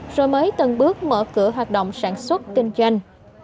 rồi mới từng bước mở cửa hoạt động sản xuất kinh doanh